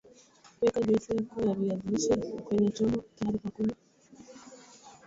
Weka juisi yako ya viazi lishe kwenye chombo tayari kwa kunywa